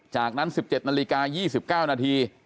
จากนั้น๑๗นาฬิกา๒๙นาที